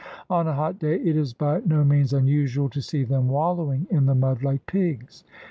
On a hot day it is by no means unusual to see them wallowing in the mud like pigs."